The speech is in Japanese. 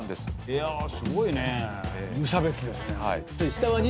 いやすごいね。